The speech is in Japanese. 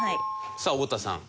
さあ太田さん。